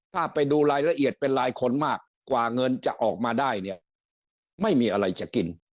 ถ้าไปดูรายละเอียดเป็นรายคนมากกว่าเงินจะออกมาได้เนี่ยไม่มีอะไรจะกิน